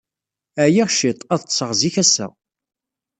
Ɛyiɣ cwiṭ. Ad ṭṭseɣ zik ass-a.